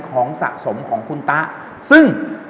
ของสะสมของคุณตะซึ่ง